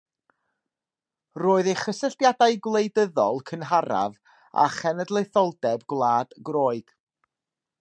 Roedd ei chysylltiadau gwleidyddol cynharaf â chenedlaetholdeb Gwlad Groeg.